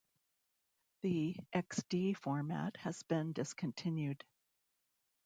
The xD format has been discontinued.